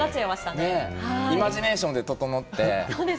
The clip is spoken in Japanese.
イマジネーションで整って。